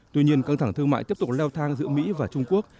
tuy nhiên căng thẳng thương mại tiếp tục leo thang giữa mỹ và trung quốc